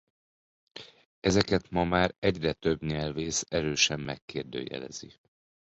Ezeket ma már egyre több nyelvész erősen megkérdőjelezi.